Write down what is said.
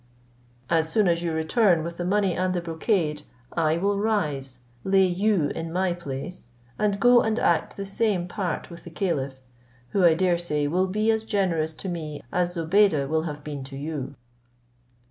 As soon as you return with the money and the brocade, I will rise, lay you in my place, and go and act the same part with the caliph, who I dare say will be as generous to me as Zobeide will have been to you."